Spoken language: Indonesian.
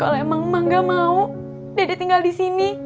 kalo emang emak gak mau dede tinggal disini